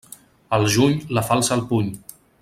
Al juny, la falç al puny.